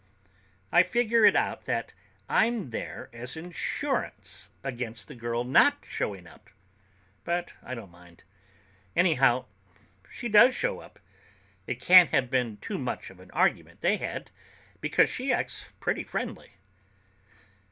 I figure it out that I'm there as insurance against the girl not showing up, but I don't mind. Anyhow, she does show up. It can't have been too much of an argument they had, because she acts pretty friendly.